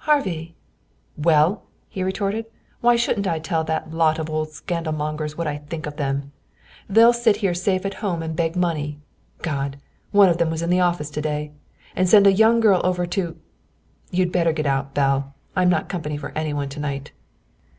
"Harvey!" "Well," he retorted, "why shouldn't I tell that lot of old scandalmongers what I think of them? They'll sit here safe at home and beg money God, one of them was in the office to day! and send a young girl over to You'd better get out, Belle. I'm not company for any one to night."